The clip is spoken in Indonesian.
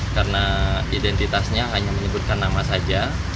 karena identitasnya hanya menyebutkan nama saja